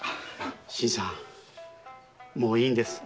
新さんもういいんです。